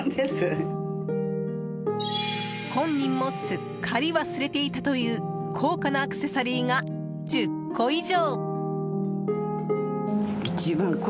本人もすっかり忘れていたという高価なアクセサリーが１０個以上。